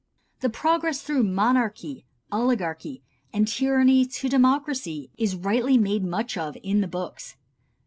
The progress through monarchy, oligarchy and tyranny to democracy is rightly made much of in the books.